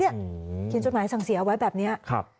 เขียนจดหมายสั่งเสียเอาไว้แบบนี้